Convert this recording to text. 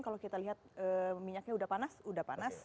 kalau kita lihat minyaknya udah panas udah panas